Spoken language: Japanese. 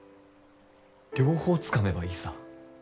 両方つかめばいいさ。